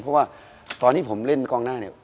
เพราะว่าตอนนี้ผมเล่นกองหน้า